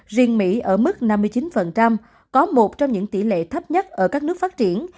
riêng mỹ ở mức năm mươi chín có một trong những tỷ lệ thấp nhất ở các nước phát triển